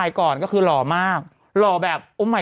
พี่นุ่มมองข้างหลังอีกแล้วเนี่ย